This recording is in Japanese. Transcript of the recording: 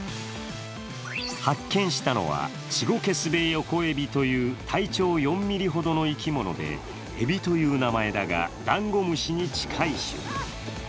発見したのはチゴケスベヨコエビという体長４ｍｍほどの生き物でエビという名前だがダンゴムシに近い種。